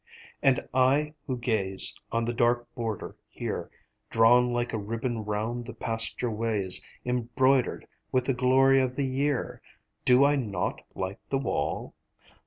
And I who gaze On the dark border here, Drawn like a ribbon round the pasture ways, Embroidered with the glory of the year, Do I not like the wall?